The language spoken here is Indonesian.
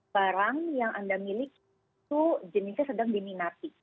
barang yang anda miliki itu jenisnya sedang diminati